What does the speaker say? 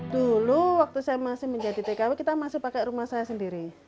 dulu waktu saya masih menjadi tkw kita masih pakai rumah saya sendiri